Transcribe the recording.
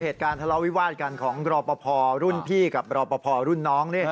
เหตุการณ์ทะเลาวิวาสกันของรอปภรุ่นพี่กับรอปภรุ่นน้อง